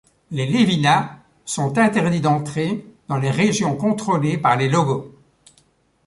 Les Levina sont interdits d'entrer dans les régions contrôlées par les Logos.